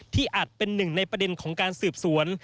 อาจเป็นหนึ่งในประเด็นของการสืบสวน